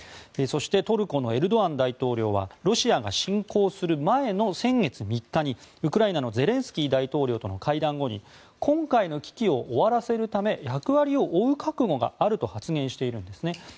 そしてトルコのエルドアン大統領はロシアが侵攻する前の先月３日にウクライナのゼレンスキー大統領との会談後に今回の危機を終わらせるため役割を負う覚悟があると発言しているんですね。